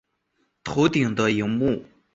头顶的萤幕